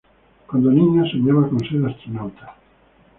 Cuando niña soñaba con ser astronauta.